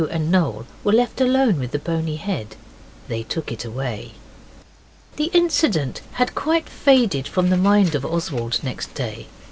and Noel were left with the bony head. They took it away. The incident had quite faded from the mind of Oswald next day.